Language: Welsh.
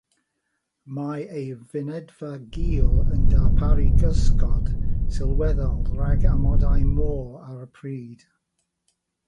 Mae ei fynedfa gul yn darparu cysgod sylweddol rhag amodau'r môr ar y pryd.